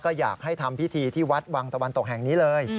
ก็อยากให้ทำพิธีที่วัดวังตะวันตกแห่งนี้เลย